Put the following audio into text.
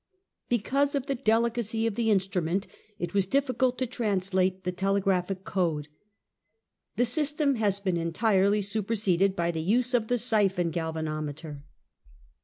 Because of the delicacy of the instrument, it was difficult to translate the telegraphic code. The system has been entirely superseded by the use of the syphon galvanometer.